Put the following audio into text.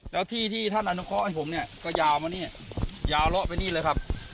แล้วที่ที่ท่านอนุเคราะห์ให้ผมเนี่ยก็ยาวมานี่ยาวเลาะไปนี่เลยครับ